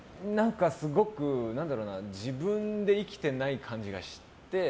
すごく自分で生きてない感じがして。